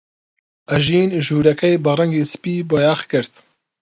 ئەژین ژوورەکەی بە ڕەنگی سپی بۆیاغ کرد.